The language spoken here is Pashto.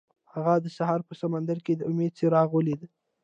هغه د سهار په سمندر کې د امید څراغ ولید.